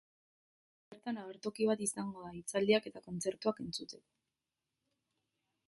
Bertan agertoki bat izango da, hitzaldiak eta kontzertuak entzuteko.